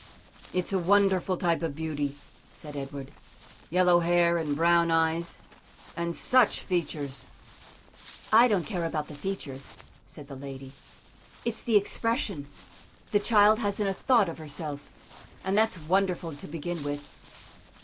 "It's a wonderful type of beauty," said Edward; "yellow hair and brown eyes, and such features." "I don't care about the features," said the lady, "it's the expression; the child hasn't a thought of herself, and that's wonderful to begin with."